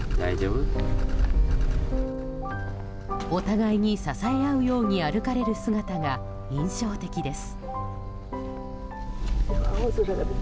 お互いに支え合うように歩かれる姿が印象的です。